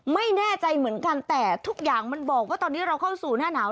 ไม่แน่ใจเหมือนกันแต่ทุกอย่างมันบอกว่าตอนนี้เราเข้าสู่หน้าหนาว